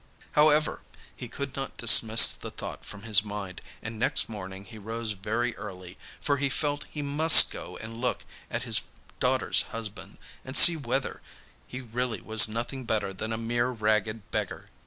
However, he could not dismiss the thought from his mind, and next morning he rose very early, for he felt he must go and look at his daughter's husband and see whether he really was nothing better than a mere ragged beggar.